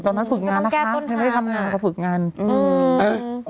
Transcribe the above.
ตอนนั้นฝึกงานนะค่ะไม่ต้องแก้ต้นนะคะ